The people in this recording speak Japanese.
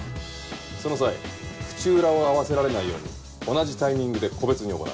その際口裏を合わせられないように同じタイミングで個別に行う。